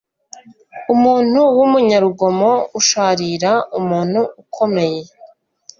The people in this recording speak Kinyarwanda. Umuntu wumunyarugomo usharira umuntu ukomeye